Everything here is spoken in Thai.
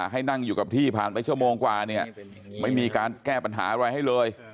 ให้นั่งอยู่กับที่ผ่านไปชั่วโมงกว่าเนี่ยไม่มีการแก้ปัญหาอะไรให้เลย